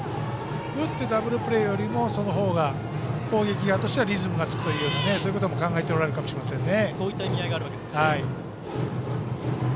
打ってダブルプレーよりもその方が攻撃側としてはリズムがつくと考えておられるかもしれませんね。